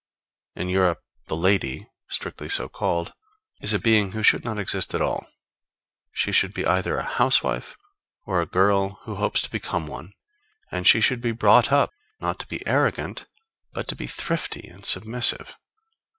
In Europe the lady, strictly so called, is a being who should not exist at all; she should be either a housewife or a girl who hopes to become one; and she should be brought up, not to be arrogant, but to be thrifty and submissive.